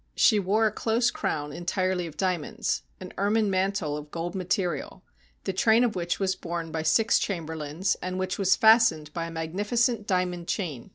She wore a close crown entirely of diamonds, an ermine mantle of gold material, the train of which was borne by six chamberlains, and which was fastened by a magnificent diamond chain.